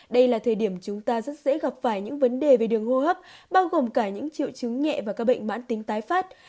đây là thời điểm chúng ta rất dễ gặp phải những vấn đề về đường hô hấp bao gồm cả những triệu chứng nhẹ và các bệnh mãn tính tái phát